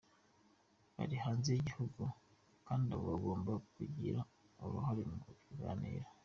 Bari hanze y’igihugu, kandi abo bagomba kugira uruhare mu biganiro.